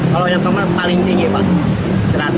kalau yang kemarin paling tinggi pak